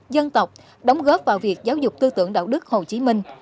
dân tộc đóng góp vào việc giáo dục tư tưởng đạo đức hồ chí minh